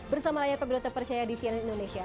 bersama layar pemilu terpercaya di cnn indonesia